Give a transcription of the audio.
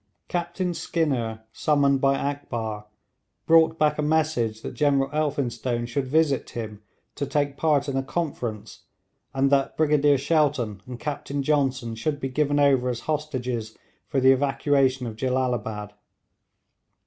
Captain Skinner, summoned by Akbar, brought back a message that General Elphinstone should visit him to take part in a conference, and that Brigadier Shelton and Captain Johnson should be given over as hostages for the evacuation of Jellalabad.